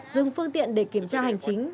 dùng phương tiện để kiểm tra hành chính